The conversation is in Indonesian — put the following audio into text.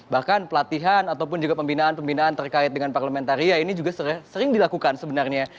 bahkan pelatihan ataupun juga pembinaan pembinaan terkait dengan parliamentary ini juga sering dilakukan sebenarnya